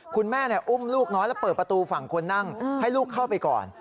คุณแม่อุ้มลูกน้อยแล้วเปิดประตูฝั่งคนนั่งให้ลูกเข้าไปก่อน